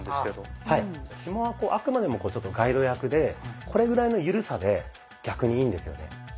ひもはあくまでもちょっとガイド役でこれぐらいのゆるさで逆にいいんですよね。